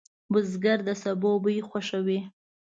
بزګر د سبو بوی خوښوي